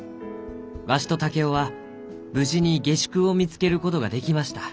わしと竹雄は無事に下宿を見つけることができました。